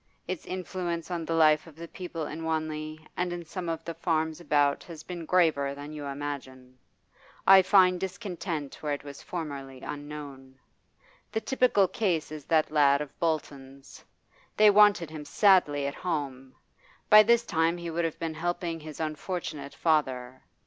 Its influence on the life of the people in Wanley and in some of the farms about has been graver than you imagine. I find discontent where it was formerly unknown. The typical case is that lad of Bolton's. They wanted him sadly at home; by this time he would have been helping his unfortunate father.